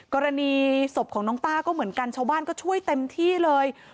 กรณีศพของน้องต้าก็เหมือนกันชาวบ้านก็ช่วยเต็มที่เลย